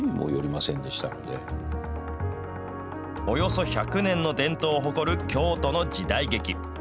およそ１００年の伝統を誇る京都の時代劇。